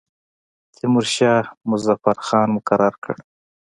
تیمورشاه مظفر خان مقرر کړ.